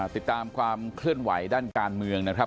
ติดตามความเคลื่อนไหวด้านการเมืองนะครับ